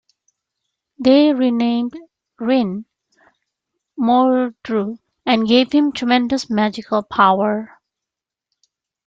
They renamed Wrynn, "Mordru" and gave him tremendous magical power.